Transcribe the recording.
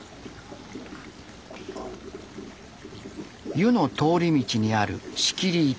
湯の通り道にある仕切り板。